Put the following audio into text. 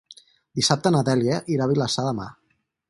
Dissabte na Dèlia irà a Vilassar de Mar.